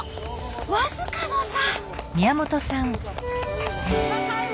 僅かの差。